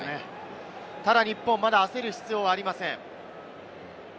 ただ日本代表は、まだ焦る必要はありません。